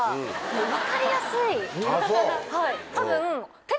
多分。